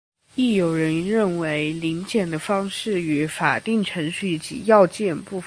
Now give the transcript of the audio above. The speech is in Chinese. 亦有人认为临检的方式与法定程序及要件不符。